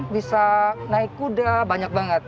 bisa naik kuda banyak banget